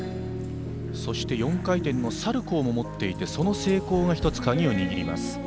そして４回転のサルコーも持っていてその成功が１つ、鍵を握ります。